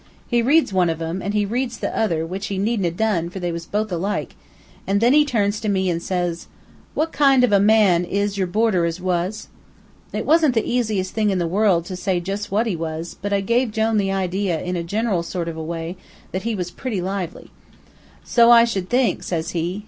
He reads one of 'em, and then he reads the other, which he needn't 'a' done, for they was both alike, an' then he turns to me, an' says he: "'What kind of a man is your boarder as was?' "It wasn't the easiest thing in the world to say jus' what he was, but I give Jone the idea, in a general sort of way, that he was pretty lively. "'So I should think,' says he.